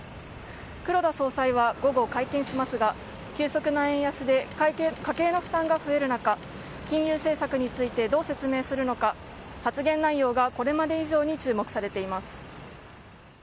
黒田総裁は午後会見しますが急速な円安で家計の負担が増える中金融政策についてどう説明するのか発言内容がこれまで以上に注目されています。